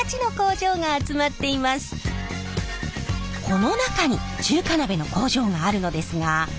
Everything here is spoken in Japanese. この中に中華鍋の工場があるのですがそこはなんと！